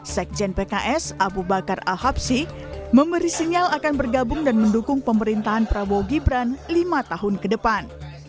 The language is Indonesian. sekjen pks abu bakar al habsi memberi sinyal akan bergabung dan mendukung pemerintahan prabowo gibran lima tahun ke depan